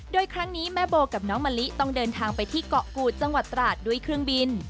โดยครั้งนี้แม่โบกับน้องมะลิต้องเดินทางไปที่เกาะกูดจังหวัดตราดด้วยเครื่องบิน